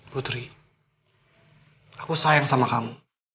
putri aku sayang sama kamu